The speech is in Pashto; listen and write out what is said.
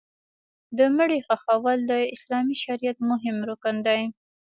د مړي ښخول د اسلامي شریعت مهم رکن دی.